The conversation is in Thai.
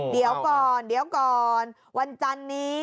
เดี๋ยวก่อนวันจันนี้